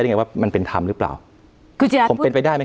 ได้ไงว่ามันเป็นธรภ์หรือเปล่าผมเป็นไปได้ไหม